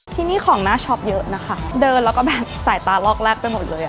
ที่นี่ของน่าช็อปเยอะนะคะเดินแล้วก็แบบสายตาลอกแรกไปหมดเลยอ่ะ